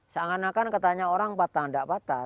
seangan anakan katanya orang patah enggak patah